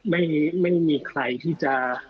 ไม่มีใครที่จะ